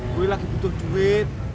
gue lagi butuh duit